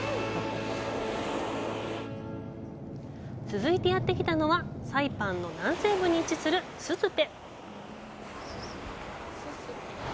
続いてやってきたのはサイパンの南西部に位置するススペ。